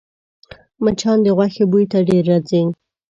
مچان د غوښې بوی ته ډېر راځي